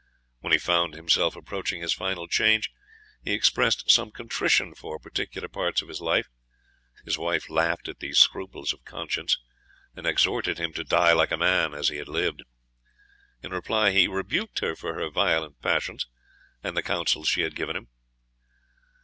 When he found himself approaching his final change, he expressed some contrition for particular parts of his life. His wife laughed at these scruples of conscience, and exhorted him to die like a man, as he had lived. In reply, he rebuked her for her violent passions, and the counsels she had given him.